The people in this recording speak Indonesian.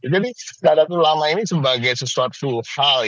jadi nada terulama ini sebagai sesuatu hal